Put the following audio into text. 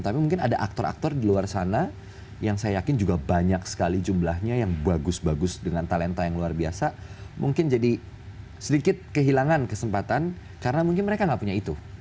tapi mungkin ada aktor aktor di luar sana yang saya yakin juga banyak sekali jumlahnya yang bagus bagus dengan talenta yang luar biasa mungkin jadi sedikit kehilangan kesempatan karena mungkin mereka nggak punya itu